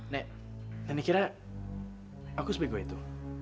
nek nenek kira aku sebego itu